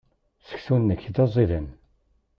Seksu-nnek d aẓidan.